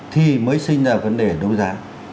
thì mới sinh ra vấn đề đấu giá